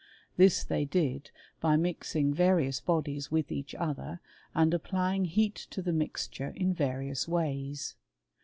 This they did^ by mixing various bodies with each other, and applying"' heat to the mixture in various ways.